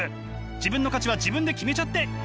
自分の価値は自分で決めちゃっていいんです！